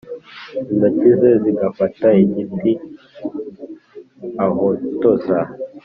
Intoki ze zigafata igiti ahotoza